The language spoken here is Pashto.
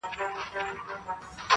محتسب را سي و انتقام ته -